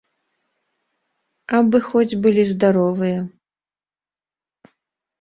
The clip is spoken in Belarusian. Абы хоць былі здаровыя.